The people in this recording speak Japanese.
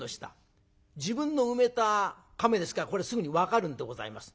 自分の埋めたかめですからこれすぐに分かるんでございます。